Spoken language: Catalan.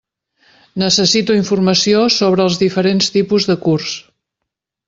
Necessito informació sobre els diferents tipus de curs.